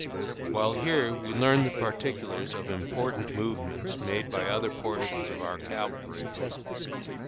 While here we learned the particulars of important movements made by other portions of our cavalry.